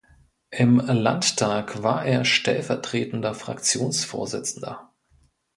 Im Landtag war er stellvertretender Fraktionsvorsitzender.